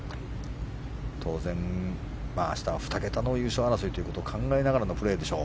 当然、明日は２桁の優勝争いを考えながらのプレーでしょう。